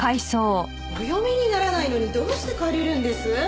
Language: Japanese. お読みにならないのにどうして借りるんです？